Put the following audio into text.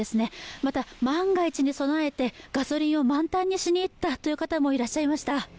また、万が一に備えてガソリンを満タンにしにいったという方もいらっしゃいました。